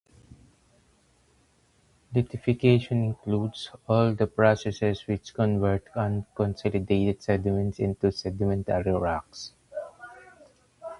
Lithification includes all the processes which convert unconsolidated sediments into sedimentary rocks.